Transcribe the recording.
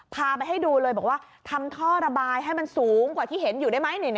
พาไปให้ดูเลยบอกว่าทำท่อระบายให้มันสูงกว่าที่เห็นอยู่ได้ไหม